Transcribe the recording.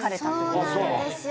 そうなんですよ。